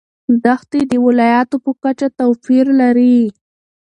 دښتې د ولایاتو په کچه توپیر لري.